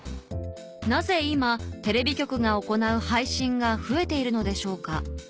なぜ今テレビ局が行う配信が増えているのでしょうか？